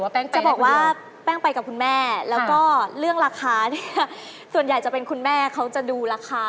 เพราะว่าพี่ดูไอจีคุณพ่ออยู่